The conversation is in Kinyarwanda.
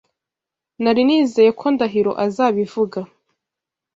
Nari nizeye ko Ndahiro azabivuga.